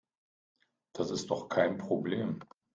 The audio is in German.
Das ist doch kein Problem.